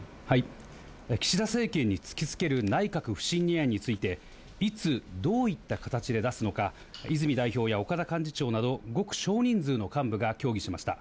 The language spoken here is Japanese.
岸田政権に突きつける内閣不信任案について、いつ、どういった形で出すのか、泉代表や岡田幹事長など、ごく少人数の幹部が協議しました。